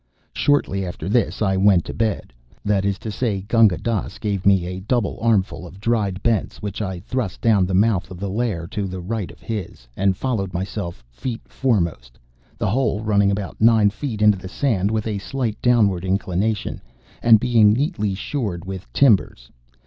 Shortly after this I went to bed. That is to say, Gunga Dass gave me a double armful of dried bents which I thrust down the mouth of the lair to the right of his, and followed myself, feet foremost; the hole running about nine feet into the sand with a slight downward inclination, and being neatly shored with timbers.